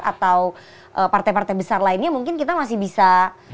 atau partai partai besar lainnya mungkin kita masih bisa